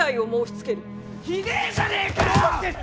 ひでえじゃねえかよ！